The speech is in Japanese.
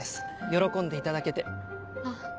喜んでいただけて。